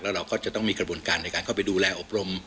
เราก็จะต้องมีกระบวนการในการเข้าไปดูแลอบรม